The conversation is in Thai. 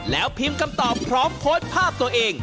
แล้วพิมพ์คำตอบพร้อมโพสต์ภาพตัวเอง